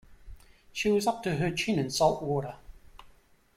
She was up to her chin in salt water.